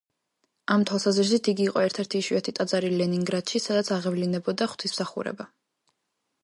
ამ თვალსაზრისით იგი იყო ერთ-ერთი იშვიათი ტაძარი ლენინგრადში, სადაც აღევლინებოდა ღვთისმსახურება.